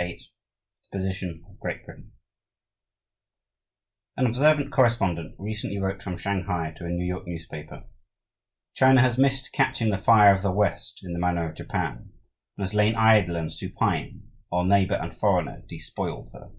VIII THE POSITION OF GREAT BRITAIN An observant correspondent recently wrote from Shanghai to a New York newspaper: "China has missed catching the fire of the West in the manner of Japan, and has lain idle and supine while neighbour and foreigner despoiled her.